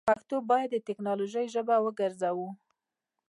پښتو باید دټیکنالوژۍ ژبه وګرځوو.